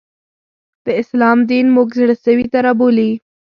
د اسلام دین موږ زړه سوي ته رابولي